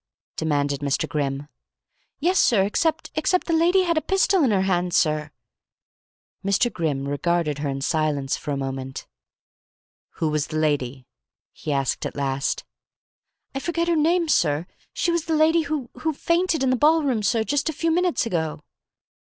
demanded Mr. Grimm. "Yes, sir, except except the lady had a pistol in her hand, sir " Mr. Grimm regarded her in silence for a moment. "Who was the lady?" he asked at last. "I forget her name, sir. She was the lady who who fainted in the ball room, sir, just a few minutes ago."